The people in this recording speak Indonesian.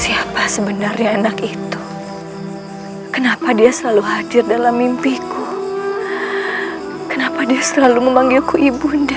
siapa sebenarnya anak itu kenapa dia selalu hadir dalam mimpiku kenapa dia selalu memanggilku ibunda